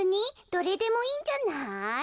どれでもいいんじゃない？